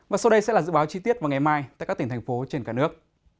và sau đây sẽ là dự báo chi tiết vào ngày mai tại các tỉnh thành phố trên cả nước